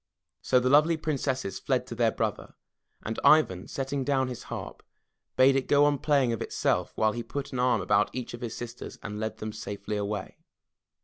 So the lovely Princesses fled to their brother, and Ivan, setting down his harp, bade it go on playing of itself while he put an arm about each of his sisters and led them safely away.